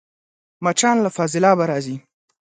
مچان له فاضلابه راځي